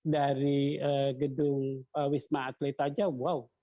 dari gedung wisma atlet aja wow